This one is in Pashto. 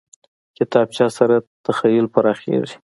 کتابچه سره تخیل پراخېږي